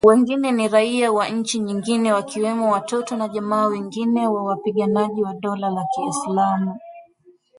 Wengine ni raia wa nchi nyingine wakiwemo watoto na jamaa wengine wa wapiganaji wa Dola la Kiislamu